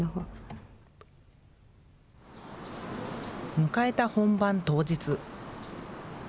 迎えた本番当日。